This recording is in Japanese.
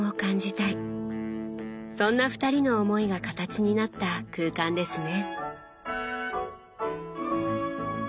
そんな二人の思いが形になった空間ですね。